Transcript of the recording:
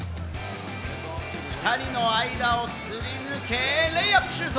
２人の間をすり抜け、レイアップシュート。